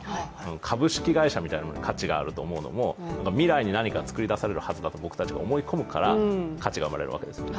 株式会社みたいな価値があると思うものも、未来に何か作り出されるはずだと僕たちが思い込むから価値が生まれるわけですよね